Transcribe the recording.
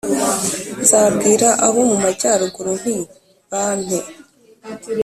Nzabwira abo mu majyaruguru nti ’Bampe’,